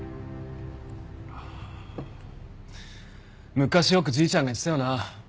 昔よくじいちゃんが言ってたよな。